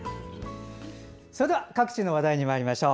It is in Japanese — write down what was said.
それでは、各地の話題にまいりましょう。